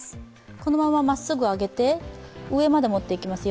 このまままっすぐ上げて上まで持っていきますよ。